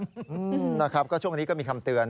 อืมนะครับก็ช่วงนี้ก็มีคำเตือน